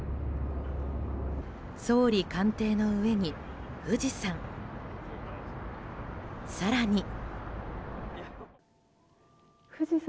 総理官邸の上に富士山。